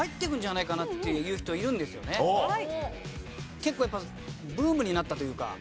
結構やっぱブームになったというか。